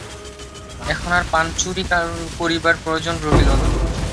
এখন আর পান চুরি করিবার প্রয়োজন রহিল না।